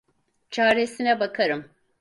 Çaresine bakarım.